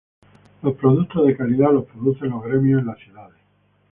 Los productos de calidad los producen los gremios en las ciudades.